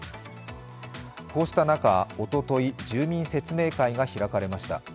こうした中、おととい、住民説明会が開かれました。